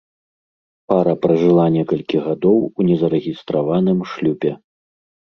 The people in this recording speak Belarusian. Пара пражыла некалькі гадоў у незарэгістраваным шлюбе.